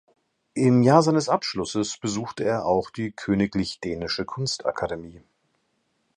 Im Jahr seines Abschlusses besuchte er auch die Königlich Dänische Kunstakademie.